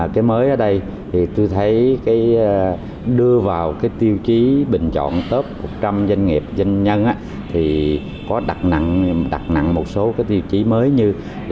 cái mới ở đây thì tôi thấy đưa vào tiêu chí bình chọn top một trăm linh doanh nghiệp doanh nhân thì có đặt nặng một số tiêu chí mới như